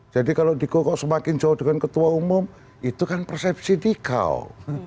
jadi kalau dikokok semakin jauh dengan ketua umum itu kan persepsi dikau